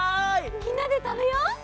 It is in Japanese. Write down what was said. みんなでたべよう！